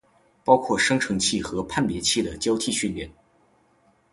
包括生成器和判别器的交替训练